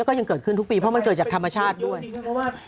ก็ยังเกิดขึ้นทุกปีเพราะมันเกิดจากธรรมชาติด้วยเพราะว่า